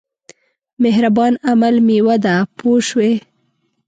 مهربان عمل مېوه ده پوه شوې!.